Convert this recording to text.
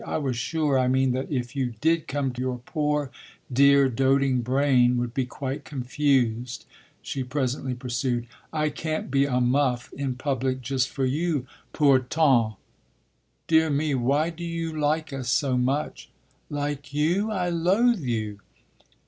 "I was sure, I mean, that if you did come your poor, dear, doting brain would be quite confused," she presently pursued. "I can't be a muff in public just for you, pourtant. Dear me, why do you like us so much?" "Like you? I loathe you!"